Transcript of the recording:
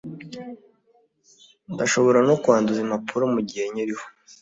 Ndashobora no kwanduza impapuro mugihe nkiriho